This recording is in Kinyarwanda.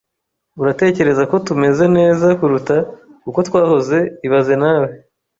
Uratekereza ko tumeze neza kuruta uko twahoze ibaze nawe